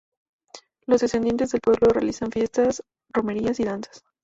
Los descendientes del pueblo realizan fiestas, romerías y danzas.